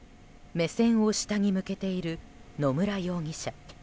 目線を下に向けている野村容疑者。